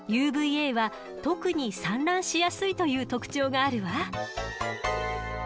Ａは特に散乱しやすいという特徴があるわ。